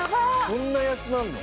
こんな安なんの？